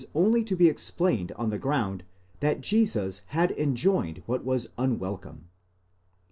only to be explained on the ground that Jesus had enjoined what was un welcome.